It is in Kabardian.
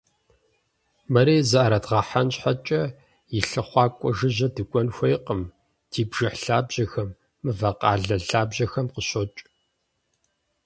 Мыри зыӏэрыдгъэхьэн щхьэкӏэ, и лъыхъуакӏуэ жыжьэ дыкӏуэн хуейкъым: ди бжыхь лъабжьэхэм, мывэкъалэ лъабжьэхэм къыщокӏ.